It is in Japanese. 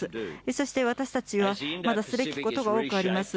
そして私たちはまだすべきことが多くあります。